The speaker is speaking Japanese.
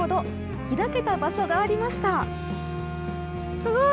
開けた場所がありましたすごい。